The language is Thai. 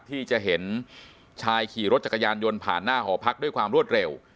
ที่จะเห็นชายขี่รถจักรยานยนต์ผ่านหน้าหอพักด้วยความรวดเร็ว